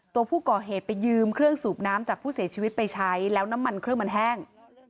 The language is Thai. ตัวผู้ก่อเหตุไปยืมเครื่องสูบน้ำจากผู้เสียชีวิตไปใช้แล้วน้ำมันเครื่องมันแห้ง